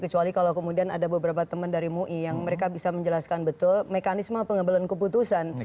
kecuali kalau kemudian ada beberapa teman dari mui yang mereka bisa menjelaskan betul mekanisme pengambilan keputusan